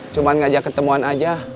cuma ngajak ketemuan aja